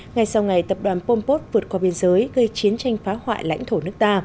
ngày sau ngày tập đoàn pompos vượt qua biên giới gây chiến tranh phá hoại lãnh thổ nước ta